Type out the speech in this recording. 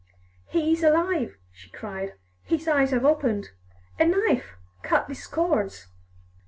"He is alive!" she cried. "His eyes have opened. A knife! Cut these cords!"